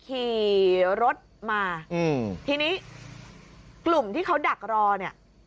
ขี่รถมาอืมทีนี้กลุ่มที่เขาดักรอเนี่ย